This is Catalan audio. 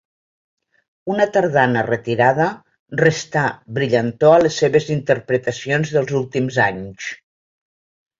Una tardana retirada restà brillantor a les seves interpretacions dels últims anys.